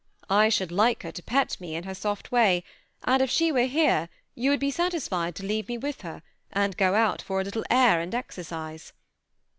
I should like her to pet me in her soft way ; and if she were here, you would be satisfied to leave me with her, and go out for a little air and exercise."